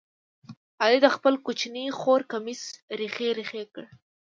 علي د خپلې کوچنۍ خور کمیس ریخې ریخې کړ.